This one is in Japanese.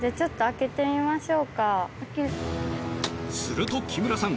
すると木村さん